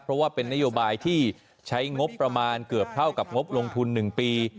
เพราะว่าเป็นนโยบายที่ใช้งบประมาณเกือบเท่ากับงบลงทุน๑ปี